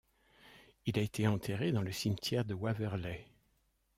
Il a été enterré dans le cimetière de Waverley.